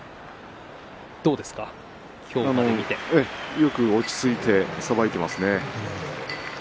よく見て落ち着いてさばいていますね。